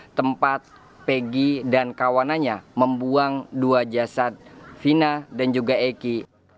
dan juga tempat pegi dan kawanannya membuang dua jasad vina dan juga eki